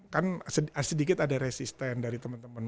kan sedikit ada resisten dari temen temen